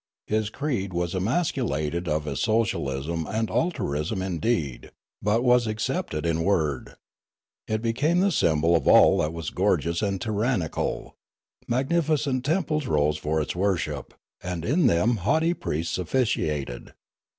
His creed was emasculated of its socialism and altruism in deed, but was accepted in word. It became the symbol of all that was gorgeous and tyrannical. Magnificent temples rose for its wor ship ; and in them haughty priests oiEciated.